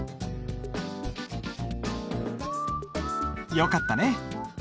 よかったね。